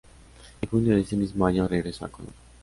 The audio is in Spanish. En junio de ese mismo año, regresa a Colón.